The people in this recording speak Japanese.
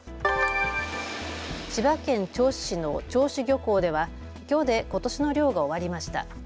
千葉県銚子市の銚子漁港ではきょうでことしの漁が終わりました。